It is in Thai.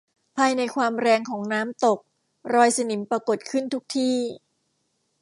ภายในความแรงของน้ำตกรอยสนิมปรากฏขึ้นทุกที่